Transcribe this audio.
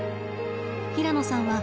平野さん